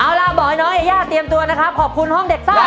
เอาล่ะบอกให้น้องยาย่าเตรียมตัวนะครับขอบคุณห้องเด็กซ่า